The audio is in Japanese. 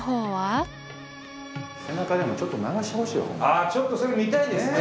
あちょっとそれ見たいですね。